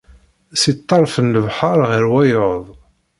Si ṭṭerf n lebḥer ɣer wayeḍ.